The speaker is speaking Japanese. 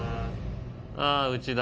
あぁうちだ。